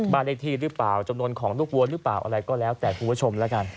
เลขที่หรือเปล่าจำนวนของลูกวัวหรือเปล่าอะไรก็แล้วแต่คุณผู้ชมแล้วกัน